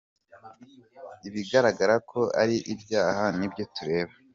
Ibigaragara ko ari ibyaha nibyo tureba.